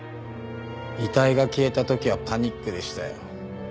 遺体が消えた時はパニックでしたよ。